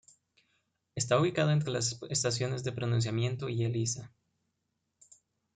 Está ubicada entre las estaciones de Pronunciamiento y Elisa.